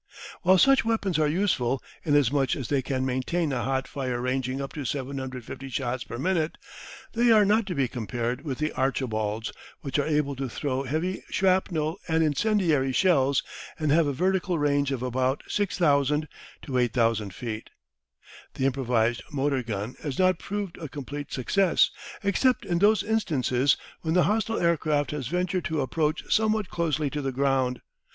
While such weapons are useful, inasmuch as they can maintain a hot fire ranging up to 750 shots per minute, they are not to be compared with the "Archibalds," which are able to throw heavy shrapnel and incendiary shells, and have a vertical range of about 6,000 to 8,000 feet. The improvised motor gun has not proved a complete success, except in those instances when the hostile aircraft has ventured to approach somewhat closely to the ground.